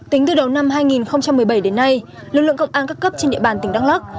tính từ đầu năm hai nghìn một mươi bảy đến nay lực lượng công an các cấp trên địa bàn tỉnh đắk lắc